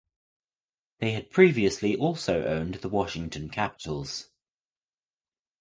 They had previously also owned the Washington Capitals.